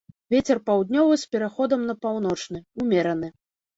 Вецер паўднёвы з пераходам на паўночны, умераны.